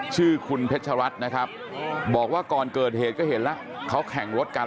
ชื่อคุณเพชรรัฐนะครับบอกว่าก่อนเกิดเหตุก็เห็นแล้วเขาแข่งรถกัน